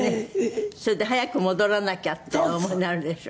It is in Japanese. それで早く戻らなきゃってお思いになるでしょ？